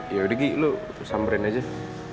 ya udah gi lu samberin aja